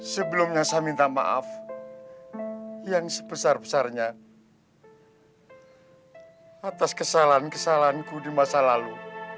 sebelumnya saya minta maaf yang sebesar besarnya atas kesalahan kesalahanku di masa lalu